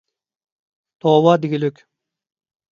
توۋا دېگۈلۈك!